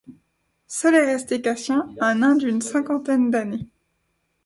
Seul est resté Cassien, un nain d’une cinquantaine d’années.